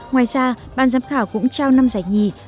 ngoài ra ban giám khảo cũng trao năm giải nhì